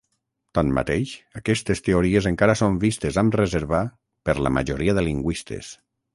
Tanmateix, aquestes teories encara són vistes amb reserva per la majoria de lingüistes.